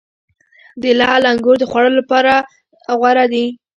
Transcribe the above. د لعل انګور د خوړلو لپاره غوره دي.